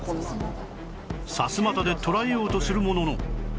さすまたで捕らえようとするものの